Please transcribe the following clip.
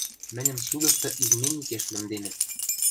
Мӹньӹм судышты изменникеш лӹмденӹт...